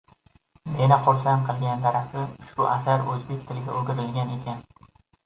Meni hursand qilgan tarafi ushbu asar oʻzbek tiliga oʻgirilgan ekan.